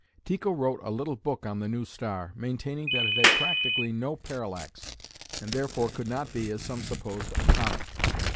Tycho wrote a little book on the new star, maintaining that it had practically no parallax, and therefore could not be, as some supposed, a comet.